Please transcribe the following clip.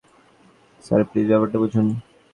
Sir, please, ব্যাপারটা বুঝুন।